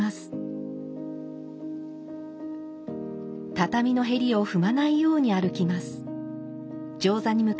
畳のへりを踏まないように歩きます。